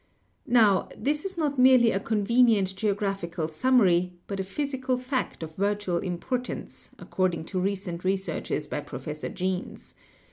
Now, this is not merely a convenient geographical sum mary, but a physical fact of vital importance, according to recent researches by Professor Jeans.